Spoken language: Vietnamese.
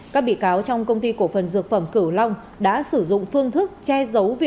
cảm ơn các bạn đã theo dõi